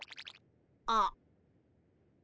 あっ。